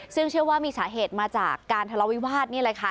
ซึ่งเชื่อว่ามีสาเหตุมาจากการทะเลาวิวาสนี่แหละค่ะ